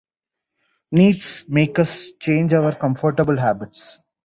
Needs make us change our comfortable habits.